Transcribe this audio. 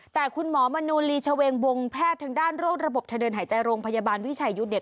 แต่คุณหมอมนูลีชเวงวงแพทย์ทางด้านโรคระบบเธอเดินหายใจโรงพยาบาลวิชายุทธ์เนี่ย